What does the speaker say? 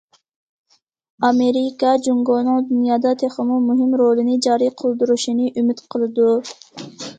ئامېرىكا جۇڭگونىڭ دۇنيادا تېخىمۇ مۇھىم رولىنى جارى قىلدۇرۇشىنى ئۈمىد قىلىدۇ.